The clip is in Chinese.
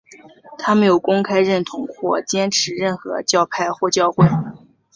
他没有公开认同或坚持任何教派或教会。